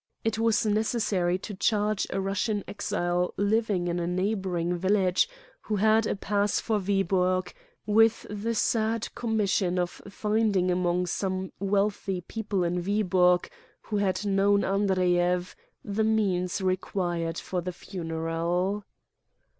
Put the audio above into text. It was necessary to charge a Eussian exile living in a neighboring village, who had a pass for Viborg, with the sad commission of finding among some wealthy people in Viborg who had known Andre yev the means required for the funeral.